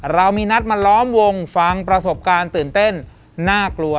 เรามีนัดมาล้อมวงฟังประสบการณ์ตื่นเต้นน่ากลัว